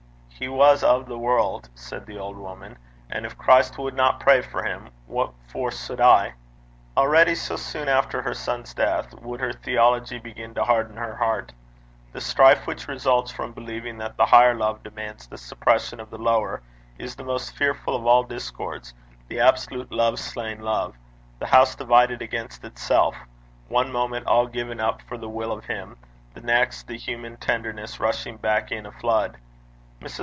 'He was o' the world,' said the old woman; 'and gin Christ wadna pray for him, what for suld I?' Already, so soon after her son's death, would her theology begin to harden her heart. The strife which results from believing that the higher love demands the suppression of the lower, is the most fearful of all discords, the absolute love slaying love the house divided against itself; one moment all given up for the will of Him, the next the human tenderness rushing back in a flood. Mrs.